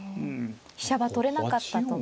飛車は取れなかったと。